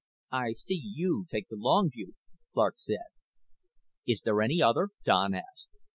"I see you take the long view," Clark said. "Is there any other?" Don asked.